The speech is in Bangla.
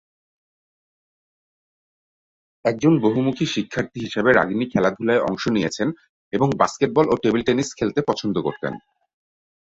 একজন বহুমুখী শিক্ষার্থী হিসাবে রাগিনী খেলাধুলায় অংশ নিয়েছেন এবং বাস্কেটবল ও টেবিল-টেনিস খেলতে পছন্দ করতেন।